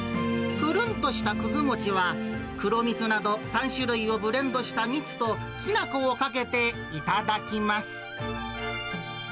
ぷるんとしたくず餅は、黒蜜など３種類をブレンドした蜜ときな粉をかけて頂きます。